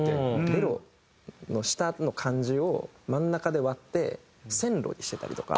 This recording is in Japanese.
ベロの「舌」の漢字を真ん中で割って「千ロ」にしてたりとか。